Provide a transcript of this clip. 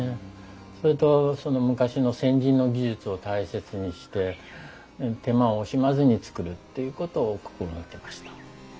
それとその昔の先人の技術を大切にして手間を惜しまずに作るっていうことを心掛けました。